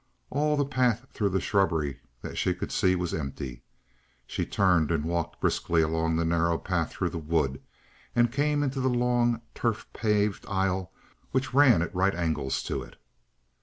All of the path through the shrubbery that she could see was empty. She turned and walked briskly along the narrow path through the wood, and came into the long, turf paved aisle which ran at right angles to it.